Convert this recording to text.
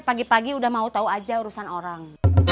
pagi pagi udah mau tahu aja urusan orang